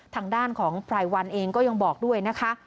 ทางด้านของพรายวันเองก็ยังบอกด้วยนะคะ